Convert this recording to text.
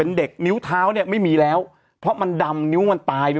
เด็กนิ้วเท้าเนี่ยไม่มีแล้วเพราะมันดำนิ้วมันตายด้วย